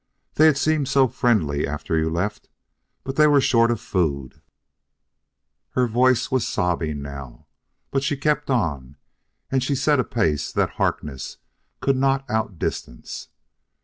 They had seemed so friendly after you left but they were short of food " Her voice was sobbing now, but she kept on, and she set a pace that Harkness could not outdistance.